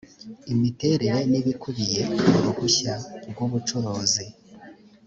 imiterere n ibikubiye mu ruhushya rw ubucukuzi